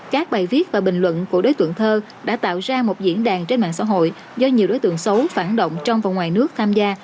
các bài viết và bình luận của đối tượng thơ đã tạo ra một diễn đàn trên mạng xã hội do nhiều đối tượng xấu phản động trong và ngoài nước tham gia